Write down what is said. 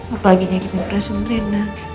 apalagi nyakitin perasaan rena